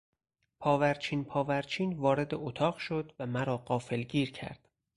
پاورچین پاورچین وارد اتاق شد و مرا غافلگیر کرد.